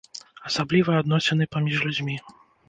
Асабліва адносіны паміж людзьмі.